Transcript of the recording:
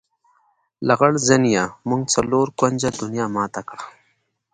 لغړزنیه! موږ څلور کونجه دنیا ماته کړه.